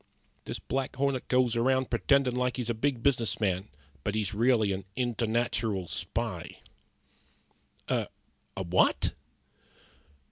This Black Hornet goes around pretendin' like he's a big business man, but he's really a internatural spy." "A what?"